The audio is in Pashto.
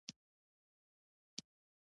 ې ویښته مو کوم عمر کې په سپینیدو شي